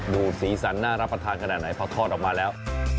สีสันน่ารับประทานขนาดไหนพอทอดออกมาแล้ว